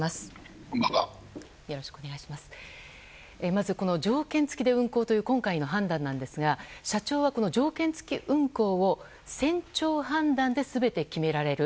まず、この条件付きで運航という今回の判断ですが社長は条件付き運航を船長判断で全て決められる。